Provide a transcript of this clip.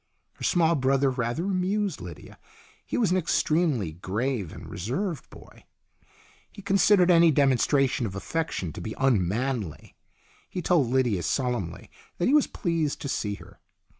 Her small brother rather amused Lydia. He was an extremely grave and reserved boy. He considered any demonstration of affection to be unmanly. He told Lydia solemnly that he was pleased to see her.